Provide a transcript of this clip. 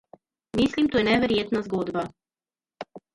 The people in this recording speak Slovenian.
Mislim, to je neverjetna zgodba.